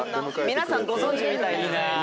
皆さんご存じみたいな。